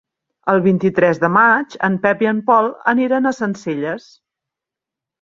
El vint-i-tres de maig en Pep i en Pol aniran a Sencelles.